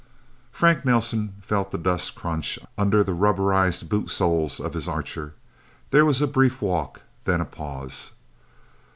Frank Nelsen felt the dust crunch under the rubberized boot soles of his Archer. There was a brief walk, then a pause.